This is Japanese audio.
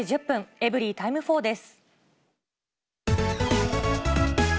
エブリィタイム４です。